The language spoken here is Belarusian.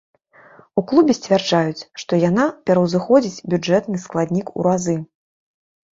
У клубе сцвярджаюць, што яна пераўзыходзіць бюджэтны складнік у разы.